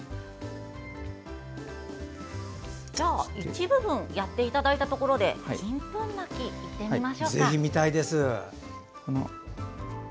一部分やっていただいたところで金粉まき、いってみましょう。